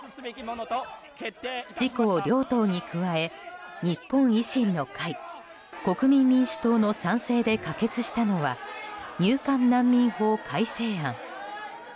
自公両党に加え、日本維新の会国民民主党の賛成で可決したのは入管難民法改正案。